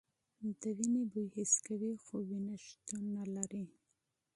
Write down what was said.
د وینې بوی حس کوي خو وینه شتون نه لري.